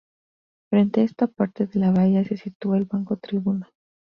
Frente a esta parte de la bahía se sitúa el banco Tribuna.